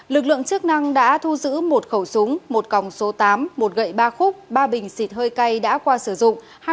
lực lượng chức năng đã thu giữ một khẩu súng một còng số tám một gậy ba khúc ba bình xịt hơi cay đã qua sử dụng